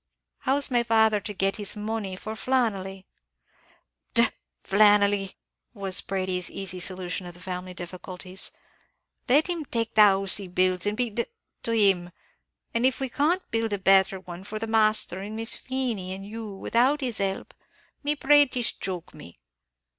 How's my father to get this money for Flannelly?" "D n Flannelly!" was Brady's easy solution of the family difficulties. "Let him take the house he built, and be d d to him; and if we can't build a betther one for the masthur and Miss Feemy and you, without his help, may praties choke me!"